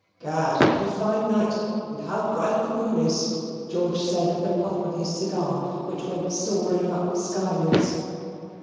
"Gad, what a fine night, and how bright the moon is!" George said, with a puff of his cigar, which went soaring up skywards.